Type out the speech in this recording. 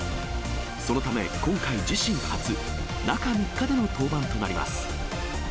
そのため、今回自身初、中３日での登板となります。